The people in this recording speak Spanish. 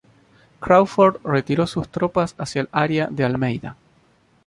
Craufurd retiró sus tropas hacia el área de Almeida.